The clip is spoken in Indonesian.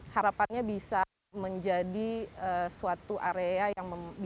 harapannya bisa menjadi suatu area yang bisa melengkapi